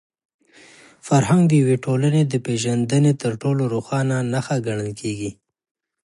فرهنګ د یوې ټولني د پېژندني تر ټولو روښانه نښه ګڼل کېږي.